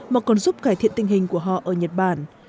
mà còn giúp cải thiện tình hình của họ ở nhật bản